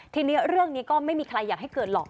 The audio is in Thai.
ทีนี้เรื่องนี้ก็ไม่มีใครอยากให้เกิดหรอก